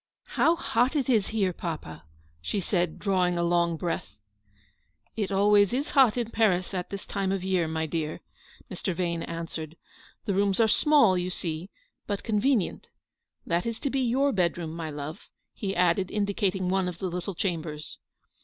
" How hot it is here, papa/' she said, drawing a long breath. " It always is hot in Paris at this time of year, my dear," Mr. Vane answered ;" the rooms are small, you see, but convenient. That is to be your bed room, my love," he added, indicating one of the little chambers.